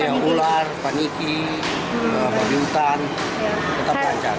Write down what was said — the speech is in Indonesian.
iya ular paniki bambu hutan tetap lancar